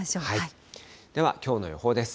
では、きょうの予報です。